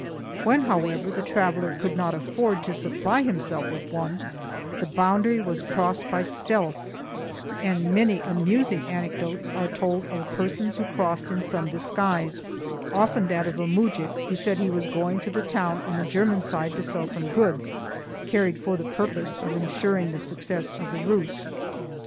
When, however, the traveller could not afford to supply himself with one, the boundary was crossed by stealth, and many amusing anecdotes are told of persons who crossed in some disguise, often that of a mujik who said he was going to the town on the German side to sell some goods, carried for the purpose of ensuring the success of the ruse.